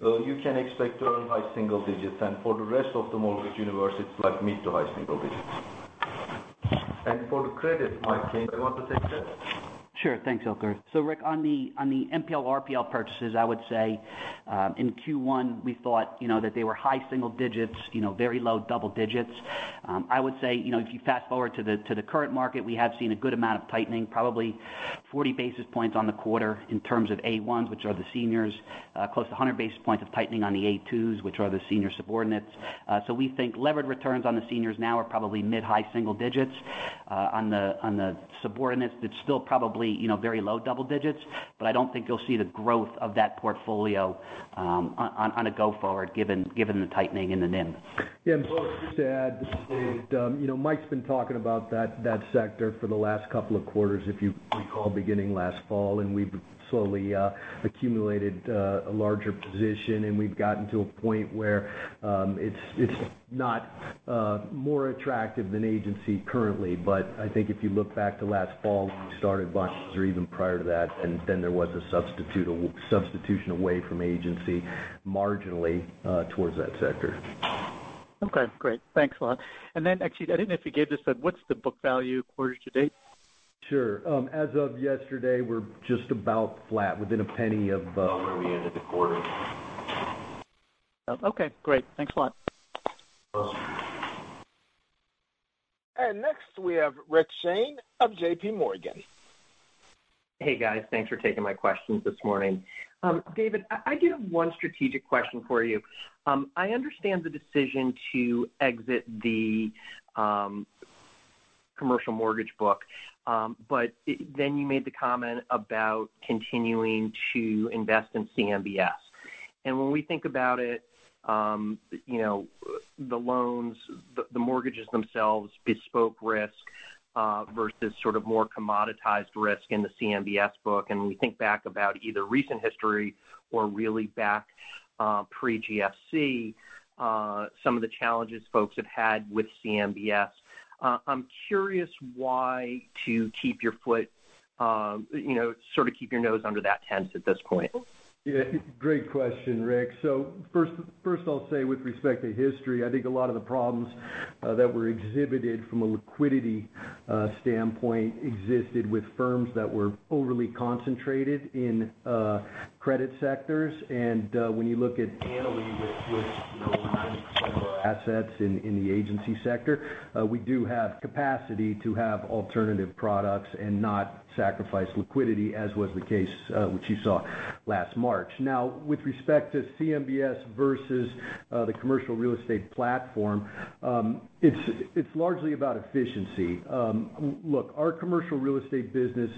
you can expect to earn high single digits. For the rest of the mortgage universe, it's like mid to high single digits. For the credit, Mike, do you want to take that? Sure. Thanks, Ilker. Rick, on the NPL/RPL purchases, I would say in Q1 we thought that they were high single digits, very low double digits. I would say, if you fast-forward to the current market, we have seen a good amount of tightening, probably 40 basis points on the quarter in terms of A1s, which are the seniors. Close to 100 basis points of tightening on the A2s, which are the senior subordinates. We think levered returns on the seniors now are probably mid high single digits. On the subordinates, it's still probably very low double digits, I don't think you'll see the growth of that portfolio on a go-forward, given the tightening in the NIM. Bose, just to add, Mike's been talking about that sector for the last couple of quarters, if you recall, beginning last fall, and we've slowly accumulated a larger position, and we've gotten to a point where it's not more attractive than agency currently. I think if you look back to last fall when we started buying, or even prior to that, and then there was a substitution away from agency marginally towards that sector. Okay, great. Thanks a lot. Actually, I didn't know if you gave this, but what's the book value quarter to date? Sure. As of yesterday, we're just about flat within $0.01 of where we ended the quarter. Okay, great. Thanks a lot. Next, we have Rick Shane of J.P. Morgan. Hey guys, thanks for taking my questions this morning. David, I do have one strategic question for you. I understand the decision to exit the commercial mortgage book. You made the comment about continuing to invest in CMBS. We think about it, the loans, the mortgages themselves bespoke risk, versus sort of more commoditized risk in the CMBS book. We think back about either recent history or really back pre-GFC, some of the challenges folks have had with CMBS. I'm curious why to sort of keep your nose under that tent at this point. Yeah. Great question, Rick. First I'll say with respect to history, I think a lot of the problems that were exhibited from a liquidity standpoint existed with firms that were overly concentrated in credit sectors. When you look at Annaly with aligned similar assets in the agency sector, we do have capacity to have alternative products and not sacrifice liquidity as was the case which you saw last March. Now with respect to CMBS versus the commercial real estate platform, it's largely about efficiency. Look, our commercial real estate business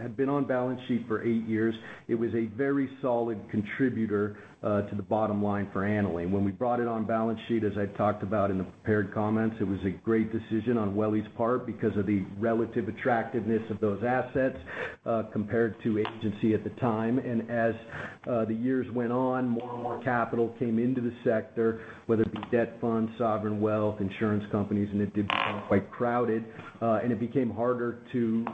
had been on balance sheet for eight years. It was a very solid contributor to the bottom line for Annaly. When we brought it on balance sheet, as I talked about in the prepared comments, it was a great decision on Welly's part because of the relative attractiveness of those assets compared to agency at the time. As the years went on, more and more capital came into the sector, whether it be debt funds, sovereign wealth, insurance companies, and it did become quite crowded. It became harder to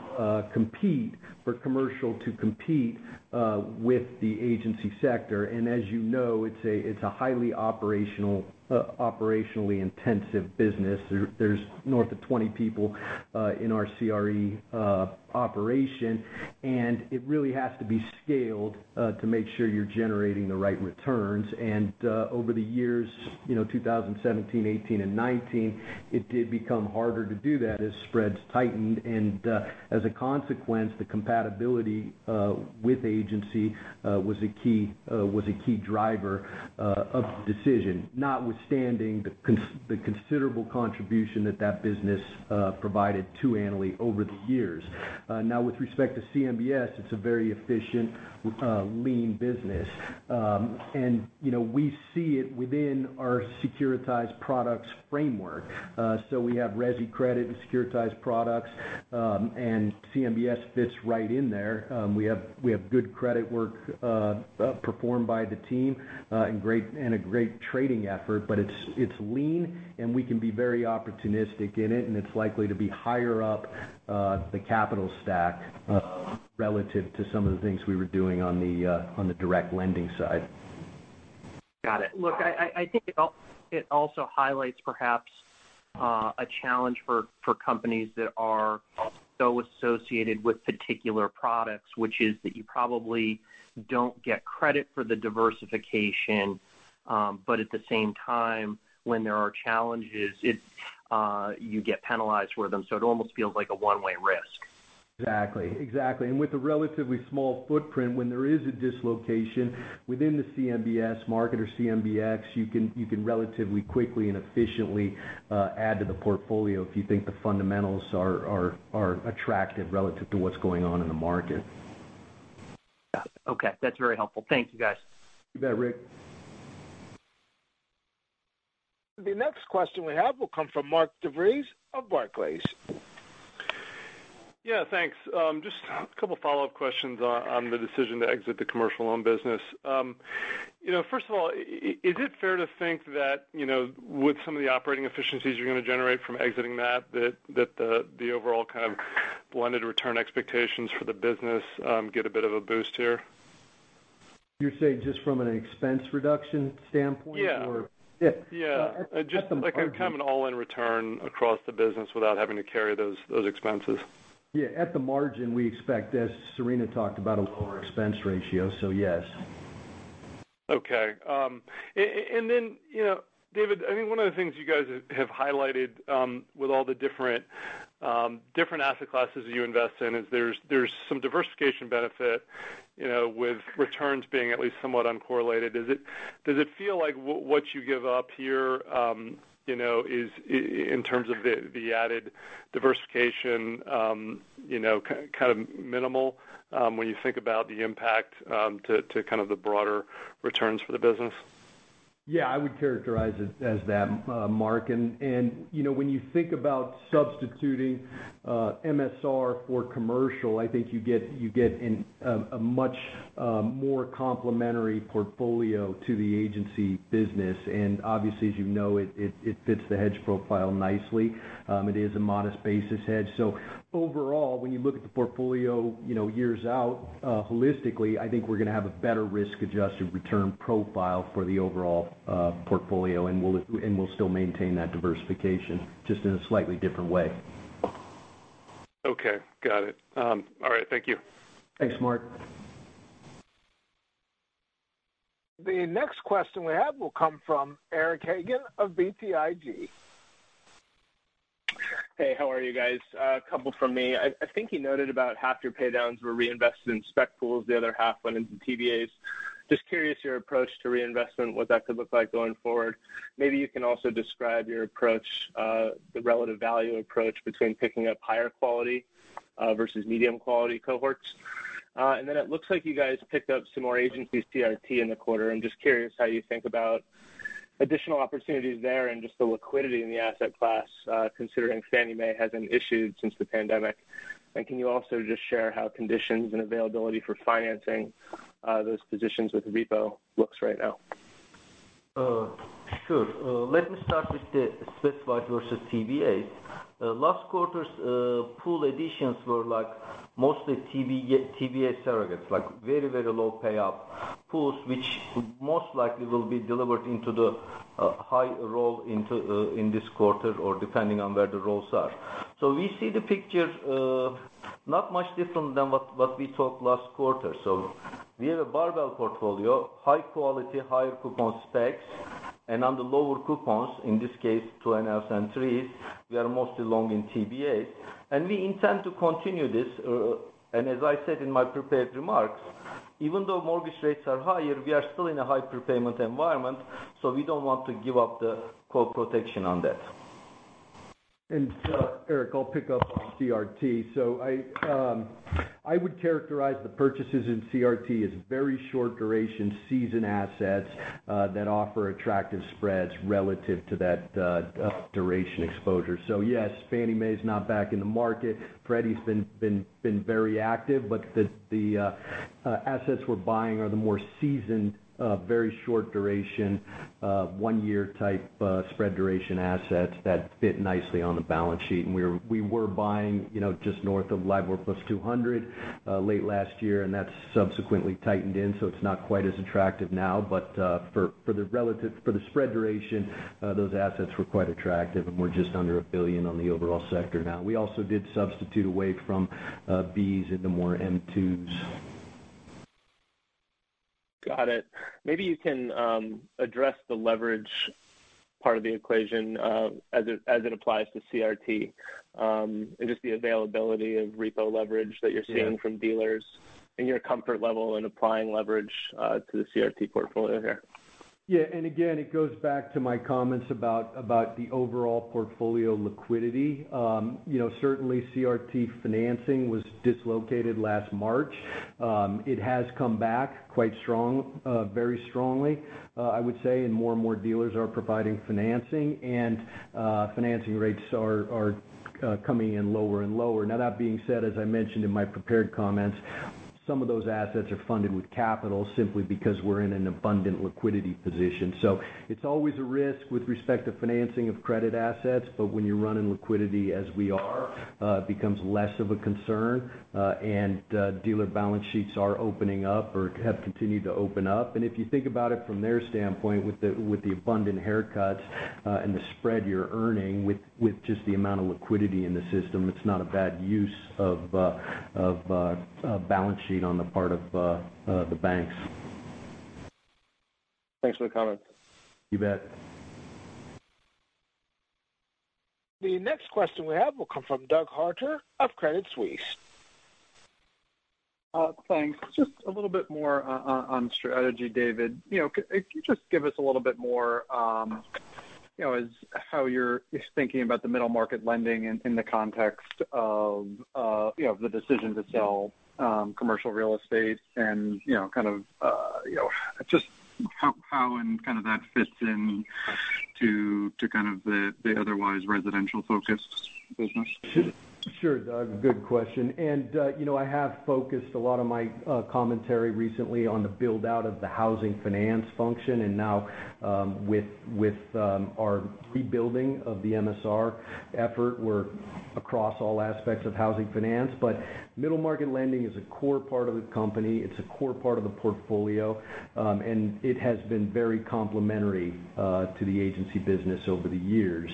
compete for commercial to compete with the agency sector. As you know, it's a highly operationally intensive business. There's north of 20 people in our CRE operation, and it really has to be scaled to make sure you're generating the right returns. Over the years, 2017, 2018, and 2019, it did become harder to do that as spreads tightened. As a consequence, the compatibility with agency was a key driver of the decision, notwithstanding the considerable contribution that that business provided to Annaly over the years. With respect to CMBS, it's a very efficient, lean business. We see it within our securitized products framework. We have resi credit and securitized products, and CMBS fits right in there. We have good credit work performed by the team and a great trading effort, but it's lean and we can be very opportunistic in it, and it's likely to be higher up the capital stack relative to some of the things we were doing on the direct lending side. Got it. Look, I think it also highlights perhaps a challenge for companies that are so associated with particular products, which is that you probably don't get credit for the diversification. At the same time, when there are challenges, you get penalized for them. It almost feels like a one-way risk. Exactly. With a relatively small footprint, when there is a dislocation within the CMBS market or CMBX, you can relatively quickly and efficiently add to the portfolio if you think the fundamentals are attractive relative to what's going on in the market. Got it. Okay. That's very helpful. Thank you, guys. You bet, Rick. The next question we have will come from Mark DeVries of Barclays. Yeah, thanks. Just a couple follow-up questions on the decision to exit the commercial loan business. First of all, is it fair to think that with some of the operating efficiencies you're going to generate from exiting that the overall kind of blended return expectations for the business get a bit of a boost here? You're saying just from an expense reduction standpoint? Yeah. Yeah. Just like a kind of an all-in return across the business without having to carry those expenses. Yeah. At the margin, we expect, as Serena talked about, a lower expense ratio. yes. Okay. David, I think one of the things you guys have highlighted with all the different asset classes that you invest in is there's some diversification benefit with returns being at least somewhat uncorrelated. Does it feel like what you give up here in terms of the added diversification, kind of minimal when you think about the impact to kind of the broader returns for the business? Yeah, I would characterize it as that, Mark. When you think about substituting MSR for commercial, I think you get a much more complementary portfolio to the agency business. Obviously, as you know, it fits the hedge profile nicely. It is a modest basis hedge. Overall, when you look at the portfolio years out holistically, I think we're going to have a better risk-adjusted return profile for the overall portfolio, and we'll still maintain that diversification, just in a slightly different way. Okay, got it. All right, thank you. Thanks, Mark. The next question we have will come from Eric Hagen of BTIG. Hey, how are you guys? A couple from me. I think you noted about 1/2 your paydowns were reinvested in spec pools, the other 1/2 went into TBAs. Just curious your approach to reinvestment, what that could look like going forward? Maybe you can also describe your approach, the relative value approach between picking up higher quality versus medium quality cohorts? Then it looks like you guys picked up some more agency CRT in the quarter. I'm just curious how you think about additional opportunities there and just the liquidity in the asset class considering Fannie Mae hasn't issued since the pandemic? Can you also just share how conditions and availability for financing those positions with repo looks right now? Sure. Let me start with the [spec-wide] versus TBAs. Last quarter's pool additions were mostly TBA surrogates, like very low payoff pools, which most likely will be delivered into the high roll in this quarter or depending on where the rolls are. We see the picture not much different than what we talked last quarter. We have a barbell portfolio, high quality, higher coupon specs, and on the lower coupons, in this case, 2.0s and 3.0s, we are mostly long in TBAs. We intend to continue this. As I said in my prepared remarks, even though mortgage rates are higher, we are still in a high prepayment environment, we don't want to give up the call protection on that. Eric, I'll pick up on CRT. I would characterize the purchases in CRT as very short duration seasoned assets that offer attractive spreads relative to that duration exposure. Yes, Fannie Mae's not back in the market. Freddie's been very active, but the assets we're buying are the more seasoned very short duration 1 year type spread duration assets that fit nicely on the balance sheet. We were buying just north of LIBOR +200 late last year, and that's subsequently tightened in, so it's not quite as attractive now. For the spread duration, those assets were quite attractive and we're just under $1 billion on the overall sector now. We also did substitute away from Bs into more M2s. Got it. Maybe you can address the leverage part of the equation as it applies to CRT, and just the availability of repo leverage that you're seeing from dealers and your comfort level in applying leverage to the CRT portfolio here. Yeah. Again, it goes back to my comments about the overall portfolio liquidity. Certainly, CRT financing was dislocated last March. It has come back quite strong, very strongly, I would say, and more and more dealers are providing financing. Financing rates are coming in lower and lower. Now that being said, as I mentioned in my prepared comments, some of those assets are funded with capital simply because we're in an abundant liquidity position. It's always a risk with respect to financing of credit assets. When you're running liquidity as we are, it becomes less of a concern. Dealer balance sheets are opening up or have continued to open up. If you think about it from their standpoint, with the abundant haircuts and the spread you're earning with just the amount of liquidity in the system, it's not a bad use of a balance sheet on the part of the banks. Thanks for the comment. You bet. The next question we have will come from Doug Harter of Credit Suisse. Thanks. Just a little bit more on strategy, David. Could you just give us a little bit more on how you're thinking about the middle market lending in the context of the decision to sell commercial real estate and kind of just how that fits in to the otherwise residential-focused business? Sure, Doug. Good question. I have focused a lot of my commentary recently on the build-out of the housing finance function. Now, with our rebuilding of the MSR effort, we're across all aspects of housing finance. Middle market lending is a core part of the company. It's a core part of the portfolio. It has been very complementary to the agency business over the years.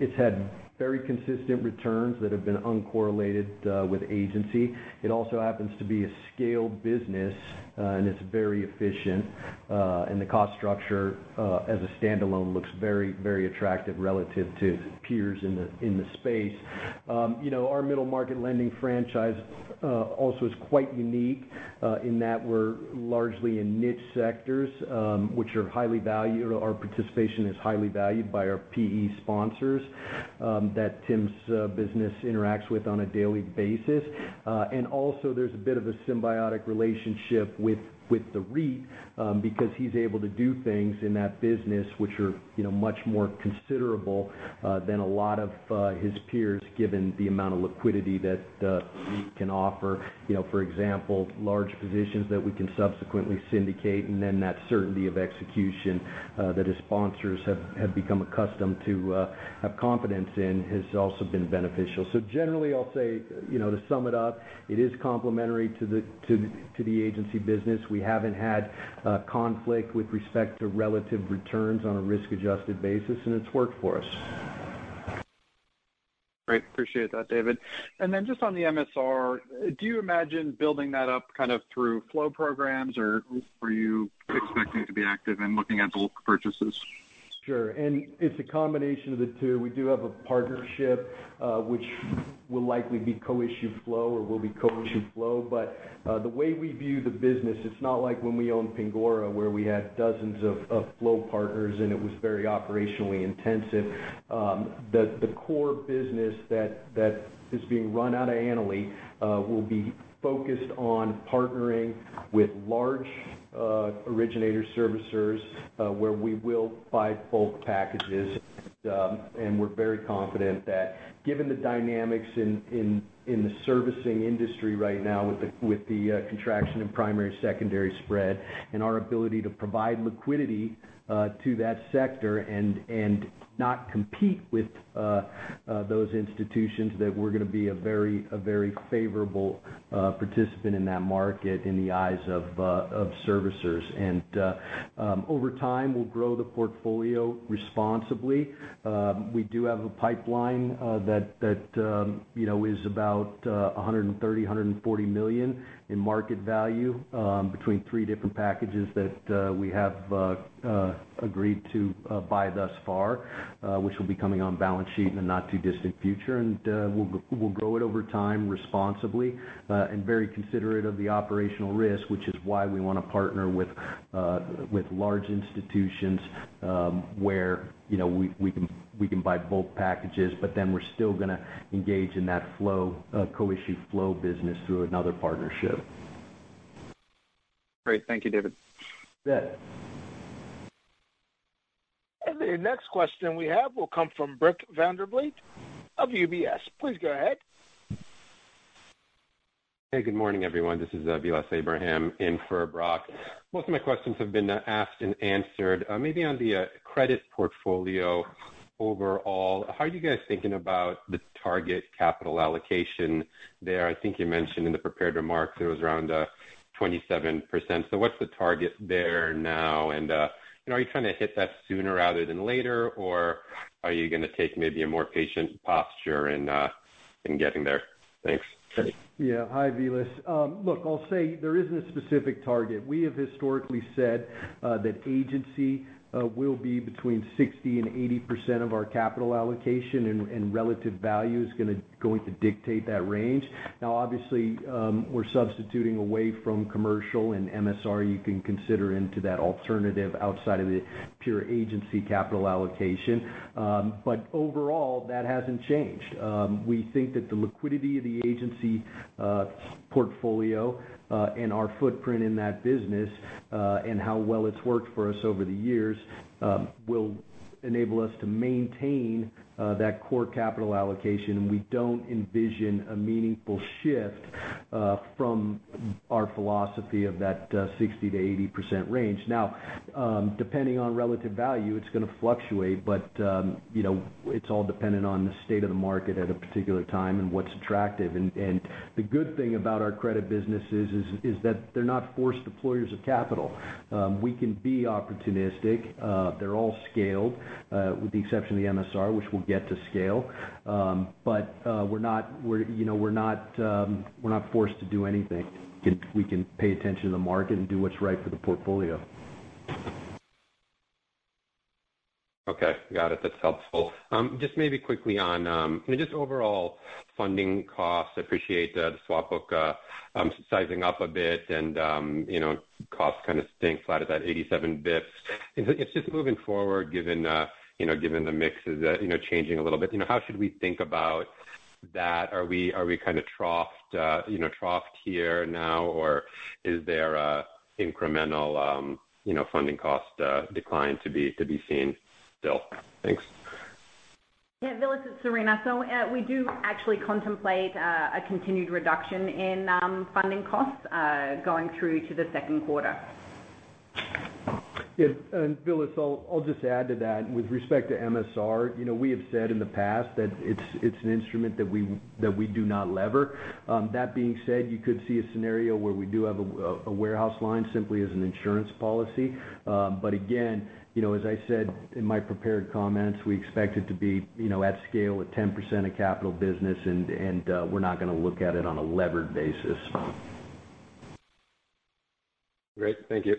It's had very consistent returns that have been uncorrelated with agency. It also happens to be a scaled business, and it's very efficient. The cost structure as a standalone looks very attractive relative to peers in the space. Our middle market lending franchise also is quite unique in that we're largely in niche sectors, which our participation is highly valued by our PE sponsors that Tim's business interacts with on a daily basis. Also, there's a bit of a symbiotic relationship with the REIT because he's able to do things in that business which are much more considerable than a lot of his peers, given the amount of liquidity that the REIT can offer. For example, large positions that we can subsequently syndicate, that certainty of execution that his sponsors have become accustomed to have confidence in has also been beneficial. Generally, I'll say, to sum it up, it is complementary to the agency business. We haven't had conflict with respect to relative returns on a risk-adjusted basis, and it's worked for us. Great. Appreciate that, David. Just on the MSR, do you imagine building that up kind of through flow programs? Or are you expecting to be active in looking at bulk purchases? Sure. It's a combination of the two. We do have a partnership which will likely be co-issue flow or will be co-issue flow. The way we view the business, it's not like when we owned Pingora, where we had dozens of flow partners and it was very operationally intensive. The core business that is being run out of Annaly will be focused on partnering with large originator servicers where we will buy bulk packages. We're very confident that given the dynamics in the servicing industry right now with the contraction in primary, secondary spread and our ability to provide liquidity to that sector and not compete with those institutions, that we're going to be a very favorable participant in that market in the eyes of servicers. Over time, we'll grow the portfolio responsibly. We do have a pipeline that is about $130-$140 million in market value between three different packages that we have agreed to buy thus far which will be coming on balance sheet in the not-too-distant future. We'll grow it over time responsibly and very considerate of the operational risk, which is why we want to partner with large institutions where we can buy bulk packages. We're still going to engage in that co-issue flow business through another partnership. Great. Thank you, David. You bet. The next question we have will come from [Bose George] of UBS. Please go ahead. Hey, good morning, everyone. This is Vilas Abraham in for [Bose George]. Most of my questions have been asked and answered. Maybe on the credit portfolio overall, how are you guys thinking about the target capital allocation there? I think you mentioned in the prepared remarks it was around 27%. What's the target there now? Are you trying to hit that sooner rather than later? Are you going to take maybe a more patient posture getting there. Thanks. Yeah. Hi, Vilas. Look, I'll say there isn't a specific target. We have historically said that agency will be between 60% and 80% of our capital allocation, and relative value is going to dictate that range. Obviously, we're substituting away from commercial and MSR, you can consider into that alternative outside of the pure agency capital allocation. Overall, that hasn't changed. We think that the liquidity of the agency portfolio, and our footprint in that business, and how well it's worked for us over the years, will enable us to maintain that core capital allocation. We don't envision a meaningful shift from our philosophy of that 60%-80% range. Depending on relative value, it's going to fluctuate. It's all dependent on the state of the market at a particular time and what's attractive. The good thing about our credit businesses is that they're not forced deployers of capital. We can be opportunistic. They're all scaled, with the exception of the MSR, which we'll get to scale. We're not forced to do anything. We can pay attention to the market and do what's right for the portfolio. Okay. Got it. That's helpful. Just maybe quickly on just overall funding costs. Appreciate the swap book sizing up a bit and costs kind of staying flat at that 87 basis points. Just moving forward, given the mix is changing a little bit, how should we think about that? Are we kind of troughed here now or is there incremental funding cost decline to be seen still? Thanks. Yeah, Vilas, it's Serena. We do actually contemplate a continued reduction in funding costs going through to the second quarter. Yeah, Vilas, I'll just add to that. With respect to MSR, we have said in the past that it's an instrument that we do not lever. That being said, you could see a scenario where we do have a warehouse line simply as an insurance policy. Again, as I said in my prepared comments, we expect it to be at scale with 10% of capital business and we're not going to look at it on a levered basis. Great. Thank you.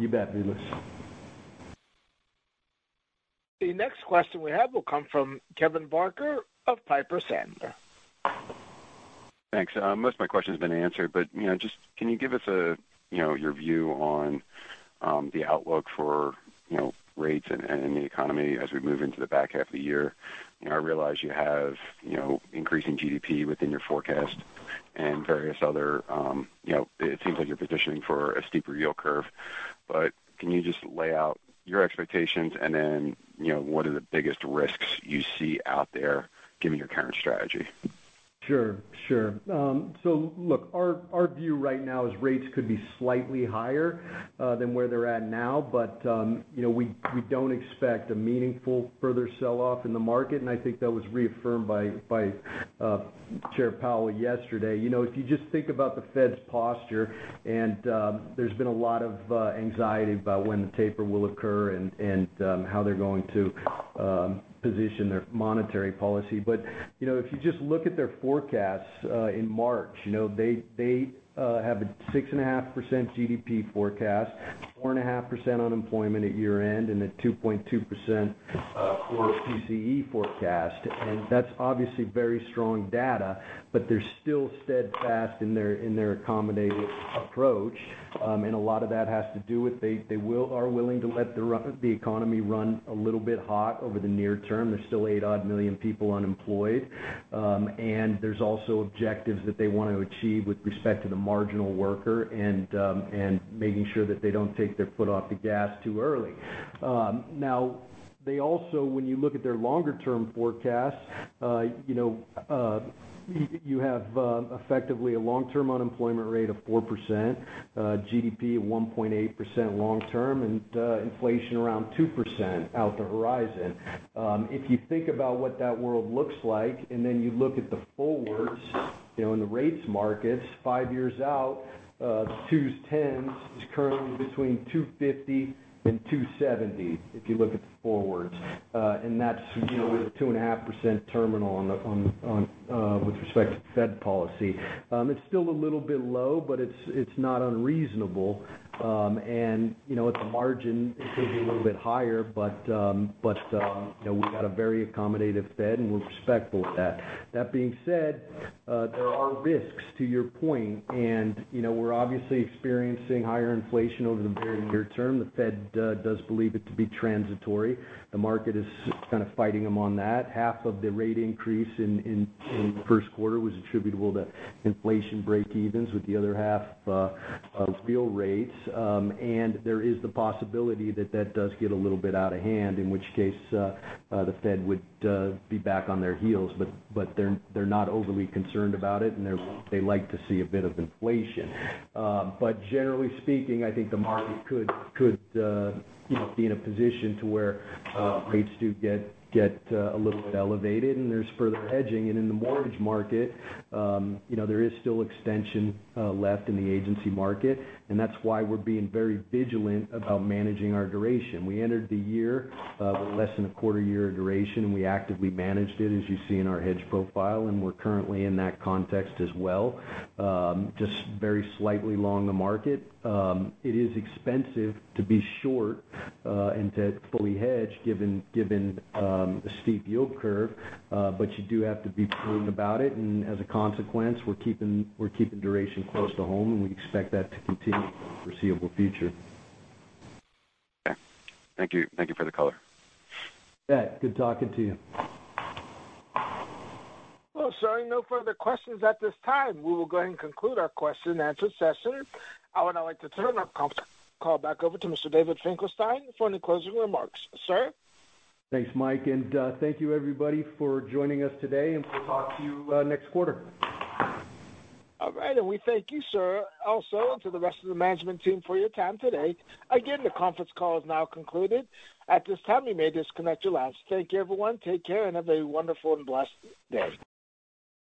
You bet, Vilas. The next question we have will come from Kevin Barker of Piper Sandler. Thanks. Most of my question's been answered, but just can you give us your view on the outlook for rates and the economy as we move into the back half of the year? I realize you have increasing GDP within your forecast and it seems like you're positioning for a steeper yield curve. Can you just lay out your expectations, and then what are the biggest risks you see out there given your current strategy? Sure. Look, our view right now is rates could be slightly higher than where they're at now. We don't expect a meaningful further sell-off in the market, and I think that was reaffirmed by Jerome Powell yesterday. If you just think about the Fed's posture, there's been a lot of anxiety about when the taper will occur and how they're going to position their monetary policy. If you just look at their forecasts in March, they have a 6.5% GDP forecast, 4.5% unemployment at year-end, and a 2.2% core PCE forecast. That's obviously very strong data, they're still steadfast in their accommodative approach. A lot of that has to do with they are willing to let the economy run a little bit hot over the near term. There's still eight-odd million people unemployed. There's also objectives that they want to achieve with respect to the marginal worker and making sure that they don't take their foot off the gas too early. They also, when you look at their longer-term forecasts you have effectively a long-term unemployment rate of 4%, GDP at 1.8% long term, and inflation around 2% out the horizon. If you think about what that world looks like, you look at the forwards in the rates markets five years out, twos, 10s is currently between 250 and 270 if you look at the forwards. That's with a 2.5% terminal with respect to Fed policy. It's still a little bit low, but it's not unreasonable. At the margin, it could be a little bit higher. We've got a very accommodative Fed, and we're respectful of that. That being said, there are risks to your point, and we're obviously experiencing higher inflation over the very near term. The Fed does believe it to be transitory. The market is kind of fighting them on that. Half of the rate increase in the first quarter was attributable to inflation breakevens with the other half of real rates. There is the possibility that that does get a little bit out of hand, in which case the Fed would be back on their heels. They're not overly concerned about it, and they like to see a bit of inflation. Generally speaking, I think the market could be in a position to where rates do get a little bit elevated and there's further hedging. In the mortgage market there is still extension left in the agency market, and that's why we're being very vigilant about managing our duration. We entered the year with less than a quarter year of duration, and we actively managed it, as you see in our hedge profile, and we're currently in that context as well. Just very slightly long the market. It is expensive to be short and to fully hedge given the steep yield curve. You do have to be prudent about it. As a consequence, we're keeping duration close to home, and we expect that to continue for the foreseeable future. Okay. Thank you for the color. Yeah. Good talking to you. Well, sir, no further questions at this time. We will go ahead and conclude our question and answer session. I would now like to turn our conference call back over to Mr. David Finkelstein for any closing remarks. Sir? Thanks, Mike. Thank you everybody for joining us today. We'll talk to you next quarter. All right. We thank you, Sir, also, and to the rest of the management team for your time today. Again, the conference call is now concluded. At this time, you may disconnect your lines. Thank you, everyone. Take care and have a wonderful and blessed day.